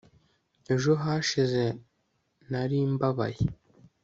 ejo hashize narimbabaye